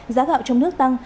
giá gạo trong nước tăng